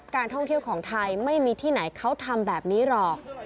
การท่องเที่ยวของไทยไม่มีที่ไหนเขาทำแบบนี้หรอก